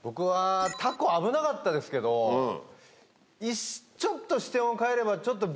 凧危なかったですけどちょっと視点を変えれば。